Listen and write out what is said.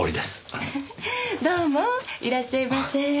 フフフどうもいらっしゃいませ。